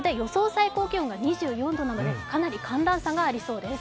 最高気温が２４度なのでかなり寒暖差がありそうです。